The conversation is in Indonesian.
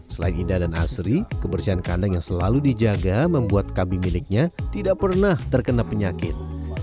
selain indah dan asri kebersihan kandang yang selalu dijaga membuat kambing miliknya tidak pernah terkena penyakit